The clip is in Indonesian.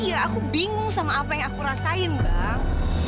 iya aku bingung sama apa yang aku rasain bang